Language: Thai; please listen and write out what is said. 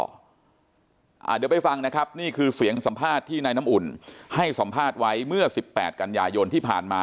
เดี๋ยวไปฟังนะครับนี่คือเสียงสัมภาษณ์ที่นายน้ำอุ่นให้สัมภาษณ์ไว้เมื่อ๑๘กันยายนที่ผ่านมา